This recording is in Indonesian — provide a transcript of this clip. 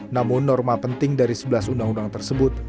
namun norma penting dari sebelas undang undang tersebut